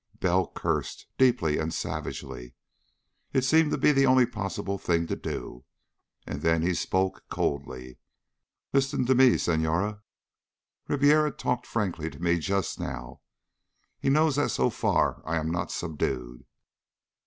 Bell cursed, deeply and savagely. It seemed to be the only possible thing to do. And then he spoke coldly. "Listen to me, Senhora. Ribiera talked frankly to me just now. He knows that so far I am not subdued.